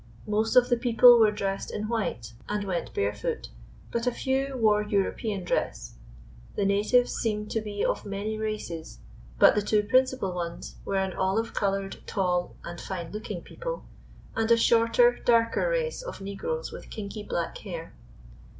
Most of the people were dressed in white and went bare foot, but a few wore European dress. The na tives seemed to be of many races, but the two principal ones were an olive colored, tall and fine looking people, and a shorter, darker race of negroes with kinky, black hair.